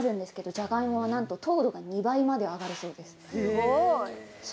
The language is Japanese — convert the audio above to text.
じゃがいもは、なんと糖度が２倍まで上がるそうです。